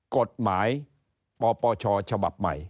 กฎหมายปปชฉบับใหม่